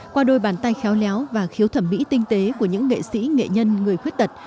qua đôi bàn tay khéo léo và khiếu thẩm mỹ tinh tế của những nghệ sĩ nghệ nhân người khuyết tật